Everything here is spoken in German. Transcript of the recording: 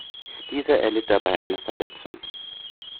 Dieser erlitt dabei eine Verletzung.